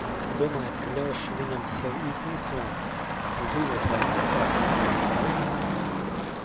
Domājāt, ka ļaušu viņam sevi iznīcināt un dzīvot laimīgāk nekā jebkad?